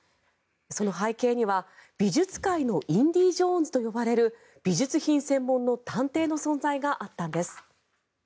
その背景には美術界のインディ・ジョーンズと呼ばれる美術品専門の探偵の存在があったんです。